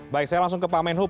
baik saya langsung ke pak menhub